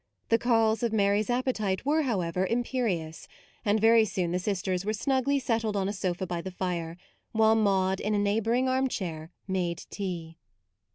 The calls of Mary's appetite were, however, imperious; and very soon the sisters were snugly settled on a sofa by the fire, while Maude in a neighbouring armchair made tea.